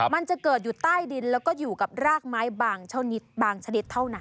มันจะเกิดอยู่ใต้ดินแล้วก็อยู่กับรากไม้บางชนิดเท่านั้น